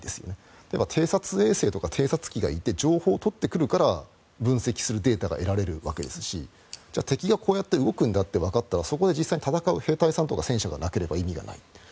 例えば偵察衛星とか偵察機がいて情報を取ってくるから分析するデータが得られるわけですし敵がこうやって動くんだってわかったらそこで実際に戦う兵隊さんとか戦車がなければ意味がない。